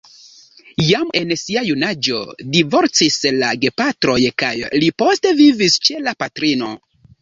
Jam en sia junaĝo divorcis la gepatroj kaj li poste vivis ĉe la patrino.